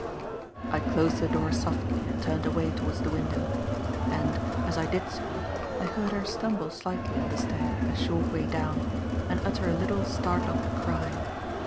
I closed the door softly and turned away towards the window; and, as I did so, I heard her stumble slightly on the stair a short way down and utter a little startled cry.